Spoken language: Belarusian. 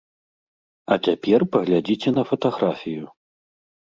А цяпер паглядзіце на фатаграфію.